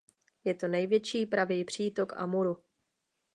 Je to největší pravý přítok Amuru.